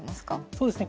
そうですね。